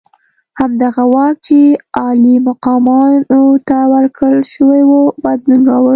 همدغه واک چې عالي مقامانو ته ورکړل شوی وو بدلون راوړ.